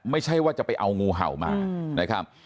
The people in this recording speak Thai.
ไม่ใช่ว่าจะไปเอางูเห่ามานะครับ